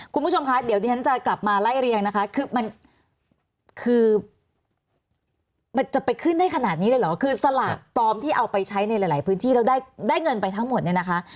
คุณผู้ชมคะเดี๋ยวที่ฉันจะกลับมาไล่เรียงนะคะคือมันคือมันจะไปขึ้นได้ขนาดนี้เลยเหรอคือสลากปลอมที่เอาไปใช้ในหลายพื้นที่แล้วได้เงินไปทั้งหมดเนี่ยนะคะ